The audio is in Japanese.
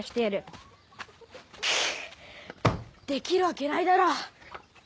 できるわけないだろ。